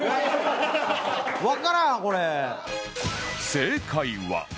正解は